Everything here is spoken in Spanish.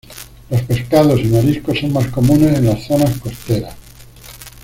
Los pescados y mariscos son más comunes en las zonas costeras.